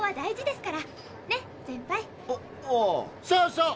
そうそう。